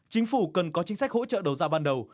chính phủ cần có chính sách hỗ trợ đầu ra ban đầu